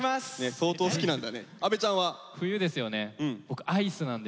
相当好きなんだね。